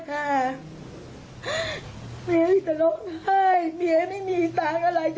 ทำยังไงลูกใช่บัตจิตยาอย่างนี้เลยค่ะ